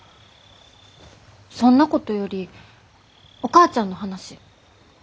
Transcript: そんなことよりお母ちゃんの話。